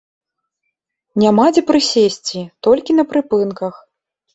Няма дзе прысесці, толькі на прыпынках!